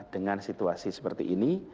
dengan situasi seperti ini